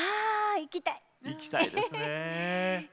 行きたいですねえ。